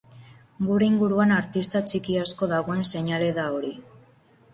Gure inguruan artista txiki asko dagoen seinale da hori.